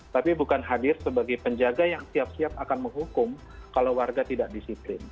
tapi bukan hadir sebagai penjaga yang siap siap akan menghukum kalau warga tidak disiplin